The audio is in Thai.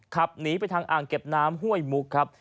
ขับหนีไปทางอ่างเก็บน้ำห้วยมุกครับ